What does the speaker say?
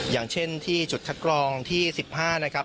อย่างเช่นที่จุดคัดกรองที่๑๕นะครับ